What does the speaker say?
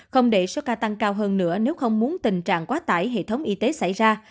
không để số ca tăng cao hơn nữa nếu không muốn tình trạng quá tải hệ thống y tế xảy ra